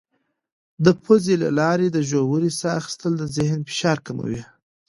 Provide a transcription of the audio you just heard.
د پوزې له لارې د ژورې ساه اخیستل د ذهن فشار کموي.